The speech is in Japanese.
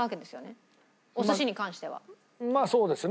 まあそうですね。